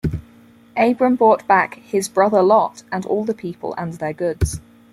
Abram brought back "his brother Lot" and all the people and their goods.